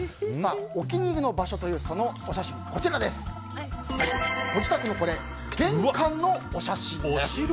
お気に入りの場所というお写真ご自宅の玄関のお写真です。